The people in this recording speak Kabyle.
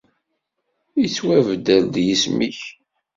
Ittwabder-d yisem-ik.